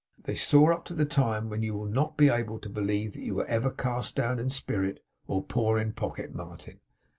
They soar up to the time when you will not be able to believe that you were ever cast down in spirit, or poor in pocket, Martin.